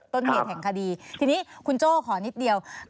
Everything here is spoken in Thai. ต้นเหตุแห่งคดีทีนี้คุณโจ้ขอนิดเดียว